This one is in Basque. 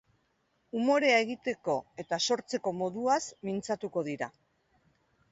Umorea egiteko eta sortzeko moduaz mintzatuko dira.